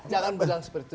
jangan bilang seperti itu